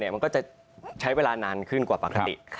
มันก็จะใช้เวลานานขึ้นกว่าปกติ